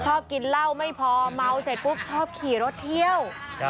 ชอบกินเหล้าไม่พอเมาเสร็จปุ๊บชอบขี่รถเที่ยว